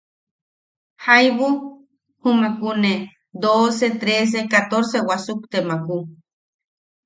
Jaibu jumakune doce, trece, catorce wasukte makku.